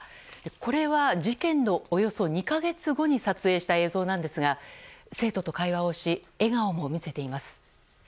これは事件のおよそ２か月後に撮影した映像なんですが生徒と会話をし笑顔も見せています。